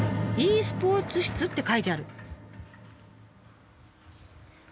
「ｅスポーツ室」って書いてある。